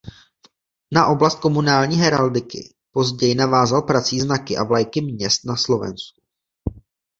Na oblast komunální heraldiky později navázal prací "Znaky a vlajky měst na Slovensku".